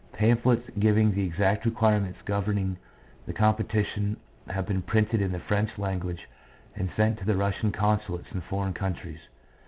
Pamphlets giving the exact requirements governing the competi tion have been printed in the French language and sent to the Russian consulates in foreign countries.